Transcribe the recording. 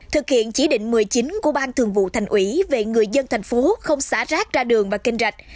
thực hiện chỉ định một mươi chín của ban thường vụ thành ủy về người dân thành phố không xả rác ra đường và kênh rạch